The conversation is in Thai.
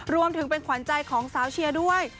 รวมถึงเป็นขวัญใจของสาวเชียร์ด้วย